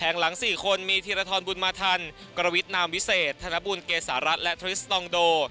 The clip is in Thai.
หลัง๔คนมีธีรทรบุญมาทันกรวิทนามวิเศษธนบุญเกษารัฐและทริสตองโด